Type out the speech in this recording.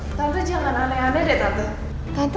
tapi jangan aneh aneh deh tante